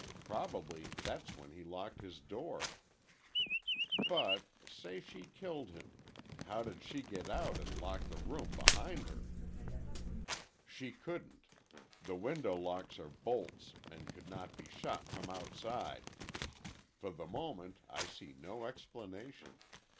Probably that's when he locked his door. But—say she killed him—how did she get out and lock the room behind her?" "She couldn't. The window locks are bolts, and could not be shot from outside. For the moment I see no explanation.